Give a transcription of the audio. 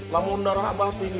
lamun darah abahnya tinggi